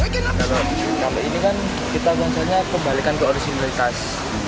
kami ini kan kita bernasanya pembalikan ke originalitas